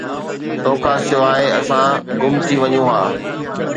توکان سواءِ، اسان گم ٿي وڃون ها